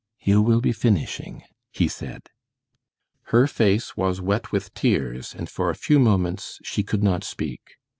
"You will be finishing," he said. Her face was wet with tears, and for a few moments she could not speak.